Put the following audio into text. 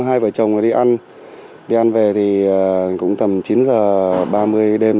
hôm hai vợ chồng đi ăn về thì cũng tầm chín giờ ba mươi đêm